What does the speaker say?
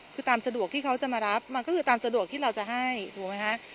คือตามสะดวกที่เขาจะมารับมันก็คือตามสะดวกที่เราจะให้ถูกไหมคะ